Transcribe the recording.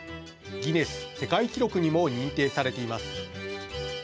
ギネス世界記録にも認定されています。